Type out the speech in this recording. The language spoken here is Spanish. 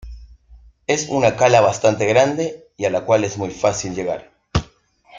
Es una cala bastante grande y a la cual es muy fácil llegar.